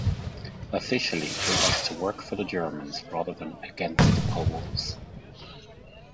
Officially it was to work for the Germans rather than against the Poles.